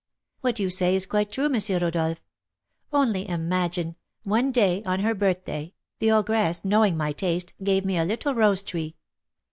"What you say is quite true, M. Rodolph. Only imagine, one day, on her birthday, the ogress, knowing my taste, gave me a little rose tree.